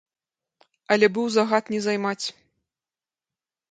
Але быў загад не займаць.